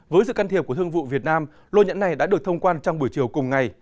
với sự can thiệp của thương vụ việt nam lô nhãn này đã được thông quan trong buổi chiều cùng ngày